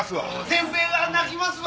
全米が泣きますわ。